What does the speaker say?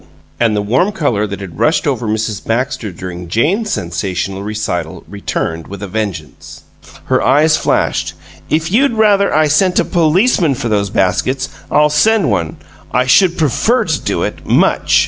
And the warm color that had rushed over Mrs. Baxter during Jane's sensational recital returned with a vengeance. Her eyes flashed. "If you'd rather I sent a policeman for those baskets, I'll send one. I should prefer to do it much!